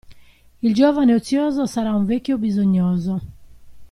Il giovane ozioso sarà un vecchio bisognoso.